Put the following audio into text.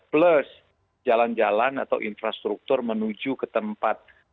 plus jalan jalan atau infrastruktur menuju ke tempat